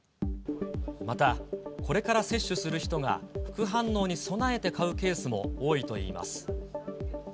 またこれから接種する人が、副反応に備えて買うケースも多いといいます。